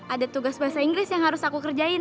ada tugas bahasa inggris yang harus aku kerjain